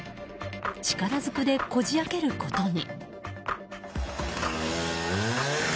力ずくでこじ開けることに。